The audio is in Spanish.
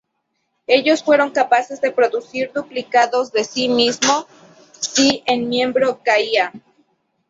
Ellos fueron capaces de producir duplicados de sí mismos si en miembro caía.